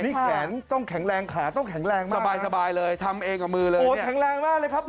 นี่แขนต้องแข็งแรงขาต้องแข็งแรงมากสบายสบายเลยทำเองกับมือเลยโอ้โหแข็งแรงมากเลยครับ